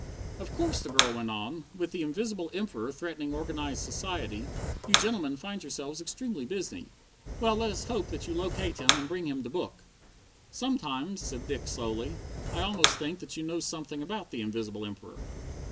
"Of course," the girl went on, "with the Invisible Emperor threatening organized society, you gentlemen find yourselves extremely busy. Well, let us hope that you locate him and bring him to book." "Sometimes," said Dick slowly, "I almost think that you know something about the Invisible Emperor."